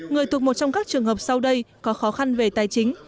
người thuộc một trong các trường hợp sau đây có khó khăn về tài chính